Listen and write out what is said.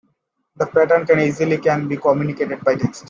The patterns can easily be communicated by text.